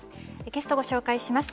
ゲストをご紹介します。